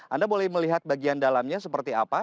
anda boleh melihat bagian dalamnya seperti apa